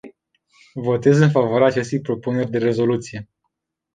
Votez în favoarea acestei propuneri de rezoluție.